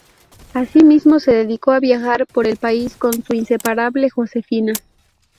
Asimismo se dedicó a viajar por el país con su inseparable Josefina.